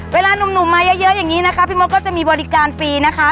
เวลานุ่มนุ่มมาเยอะเยอะอย่างงี้นะคะพี่มดก็จะมีบริการฟรีนะคะ